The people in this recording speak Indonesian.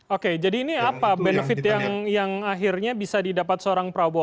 oke jadi ini apa benefit yang akhirnya bisa didapat seorang prabowo